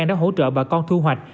đã hỗ trợ bà con thu hoạch